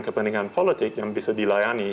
kepentingan politik yang bisa dilayani